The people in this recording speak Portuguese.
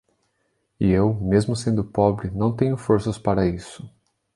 E eu, mesmo sendo pobre, não tenho forças para isso.